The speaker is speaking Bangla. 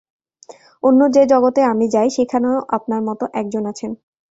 অন্য যে-জগতে আমি যাই, সেখানেও আপনার মতো এক জন আছেন।